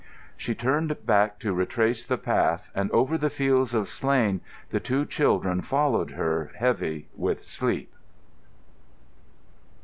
She turned back to retrace the path, and over the fields of slain the two children followed her, heavy with sleep.